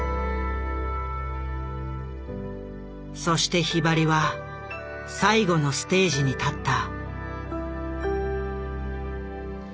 そしてひばりは最後のステージに立った。